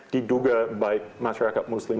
diduga baik masyarakat muslim